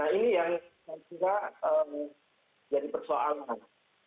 ini yang saya kira jadi persoalan